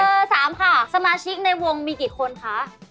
๓ค่ะสมาชิกในวงมีกี่คนคะ